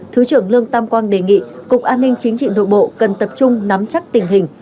thứ trưởng lương tam quang đề nghị cục an ninh chính trị nội bộ cần tập trung nắm chắc tình hình